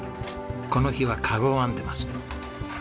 この日はカゴを編んでます。